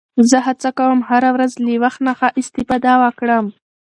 زه هڅه کوم هره ورځ له وخت نه ښه استفاده وکړم